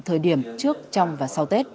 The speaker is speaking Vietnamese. thời điểm trước trong và sau tết